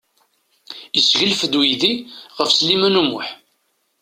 Yesseglef-d uydi ɣef Sliman U Muḥ.